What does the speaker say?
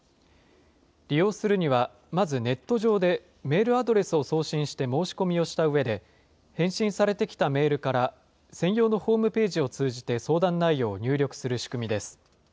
利用するには、まず、ネット上でメールアドレスを送信して申し込みをしたうえで、返信されてきたメールから専用のホームページを通じて相談内容を入力する仕組みです。